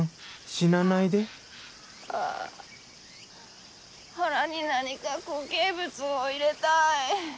死なないであ腹に何か固形物を入れたい。